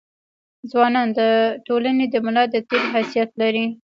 ځوانان د ټولني د ملا د تیر حيثيت لري.